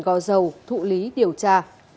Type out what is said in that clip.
gò dầu thụ lý điều tra